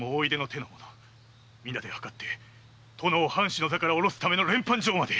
皆で謀って殿を藩主の座から下ろすための連判状まで！